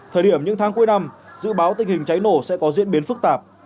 thời điểm những tháng cuối năm dự báo tình hình cháy nổ sẽ có diễn biến phức tạp